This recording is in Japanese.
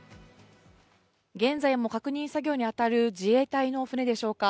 現在も確認作業に当たる自衛隊の船でしょうか。